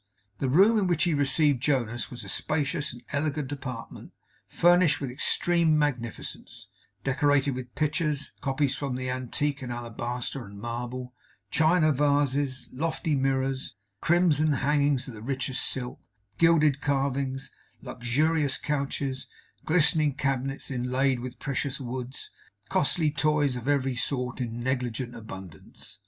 The room in which he received Jonas was a spacious and elegant apartment, furnished with extreme magnificence; decorated with pictures, copies from the antique in alabaster and marble, china vases, lofty mirrors, crimson hangings of the richest silk, gilded carvings, luxurious couches, glistening cabinets inlaid with precious woods; costly toys of every sort in negligent abundance.